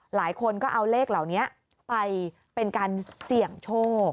หลายคนก็เอาเลขเหล่านี้ไปเป็นการเสี่ยงโชค